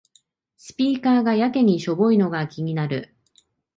スピーカーがやけにしょぼいのが気になる